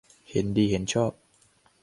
เห็นดีเห็นชอบ